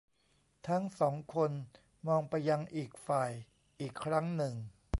ทั้งสองคนมองไปยังอีกฝ่ายอีกครั้งหนึ่ง